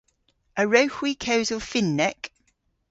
A wrewgh hwi kewsel Fynnek?